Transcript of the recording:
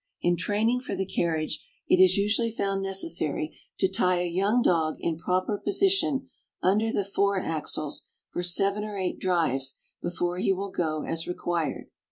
In training for the carriage, it is usually found necessary to tie a young dog in proper position, under the fore axles, for seven or eight drives before he will go as required.